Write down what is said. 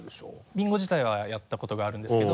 ビンゴ自体はやったことがあるんですけど。